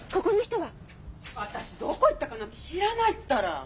私どこ行ったかなんて知らないったら！